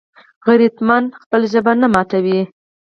غیرتمند خپله ژمنه نه ماتوي